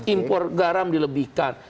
impor garam dilebihkan